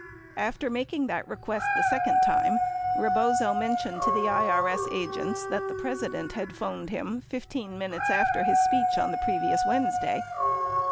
After making that request the second time, Rebozo mentioned to the IRS agents that the President had phoned him 15 minutes after his speech on the previous Wednesday.